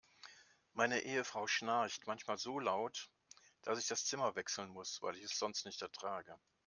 Meine Ehefrau schnarcht manchmal so laut, dass ich das Zimmer wechseln muss, weil ich es sonst nicht ertrage.